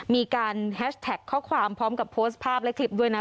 มีการแฮชแท็กข้อความพร้อมกับโพสต์ภาพและคลิปด้วยนะ